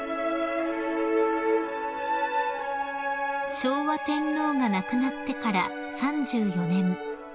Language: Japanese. ［昭和天皇が亡くなってから３４年］